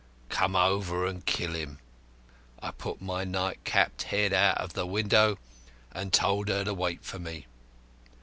'Come over and kill him!' I put my night capped head out of the window and told her to wait for me.